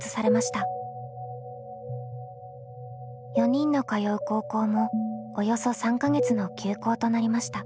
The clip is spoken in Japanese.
４人の通う高校もおよそ３か月の休校となりました。